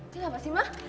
kenapa sih ma